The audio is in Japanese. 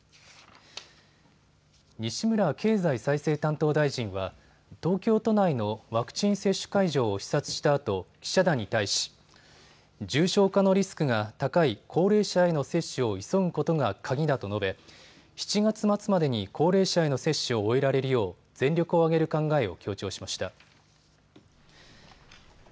西村経済再生担当大臣は東京都内のワクチン接種会場を視察したあと記者団に対し重症化のリスクが高い高齢者への接種を急ぐことが鍵だと述べ７月末までに高齢者への接種を終えられるよう全力を挙げる考えを強調しました。